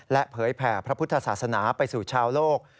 และเผยแผ่พระพุทธศาสนาไปสู่ชาวโลก